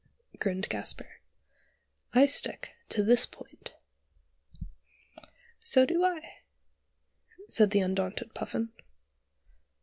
grinned Gasper; "I stick to this point." "So do I," said the undaunted Puffin.